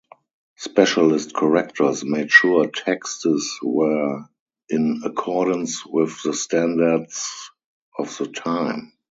Specialist correctors made sure texts were in accordance with the standards of the time.